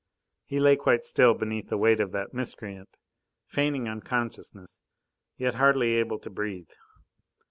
He lay quite still beneath the weight of that miscreant, feigning unconsciousness, yet hardly able to breathe.